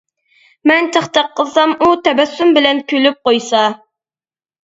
مەن چاقچاق قىلسام ئۇ تەبەسسۇم بىلەن كۈلۈپ قويسا.